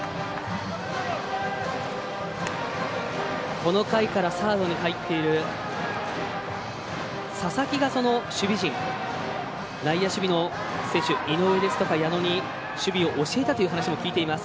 この回からサードに入っている佐々木が守備陣、内野守備の選手井上ですとか矢野に守備を教えたという話も聞いています。